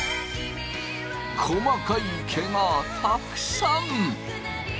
細かい毛がたくさん。